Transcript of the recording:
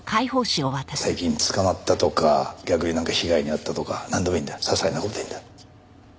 最近捕まったとか逆になんか被害に遭ったとかなんでもいいんだ些細な事でいいんだ。